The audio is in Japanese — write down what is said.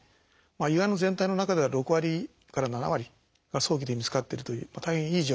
胃がんの全体の中では６割から７割が早期で見つかってるという大変いい状況になってきています。